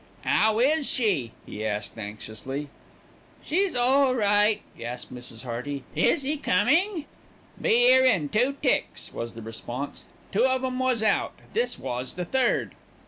"'Ow is she?" he asked anxiously. "She's all right," gasped Mrs. Hearty. "Is 'e coming?" "Be 'ere in two ticks," was the response. "Two of 'em was out, this was the third."